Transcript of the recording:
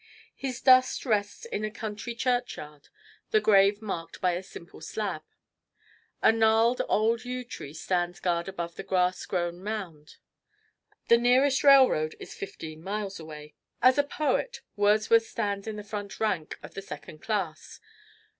His dust rests in a country churchyard, the grave marked by a simple slab. A gnarled, old yew tree stands guard above the grass grown mound. The nearest railroad is fifteen miles away. As a poet, Wordsworth stands in the front rank of the second class.